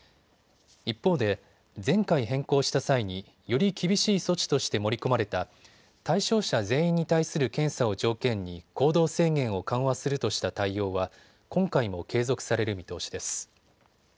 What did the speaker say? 一方で前回変更した際により厳しい措置として盛り込まれた対象者全員に対する検査を条件に行動制限を緩和するとした対応は今回も継続される見通しです。